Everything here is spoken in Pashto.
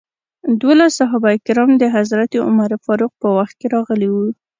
دولس صحابه کرام د حضرت عمر فاروق په وخت کې راغلي وو.